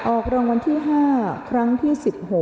ออกรางวัลที่๕ครั้งที่๑๖